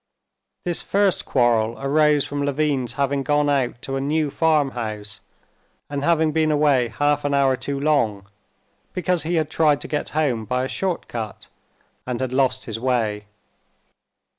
This first quarrel arose from Levin's having gone out to a new farmhouse and having been away half an hour too long, because he had tried to get home by a short cut and had lost his way.